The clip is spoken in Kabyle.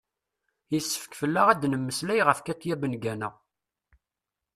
yessefk fell-aɣ ad d-nemmeslay ɣef katia bengana